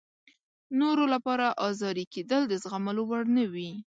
نورو لپاره ازاري کېدل د زغملو وړ نه وي.